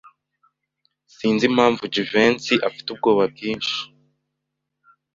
Sinzi impamvu Jivency afite ubwoba bwinshi.